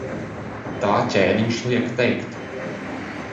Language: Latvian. Tā ķēniņš liek teikt.